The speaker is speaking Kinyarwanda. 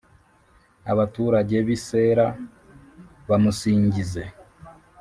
abaturage b’i Sela bamusingize,